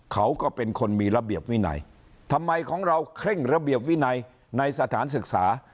เขาก็เป็นคนมีระเบียบวินัยทำไมของเราเคร่งระเบียบวินัยในสถานศึกษา